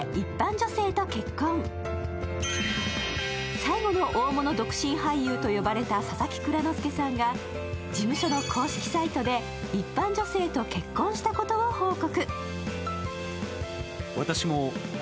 最後の大物独身俳優と呼ばれた佐々木蔵之介さんが、事務所の公式サイトで一般女性と結婚したことを報告。